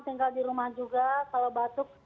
tinggal di rumah juga kalau batuk